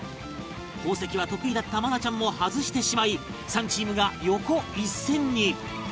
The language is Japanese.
宝石は得意だった愛菜ちゃんも外してしまい３チームが横一線に